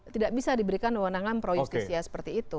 tidak bisa diberikan wanangan pro justisia seperti itu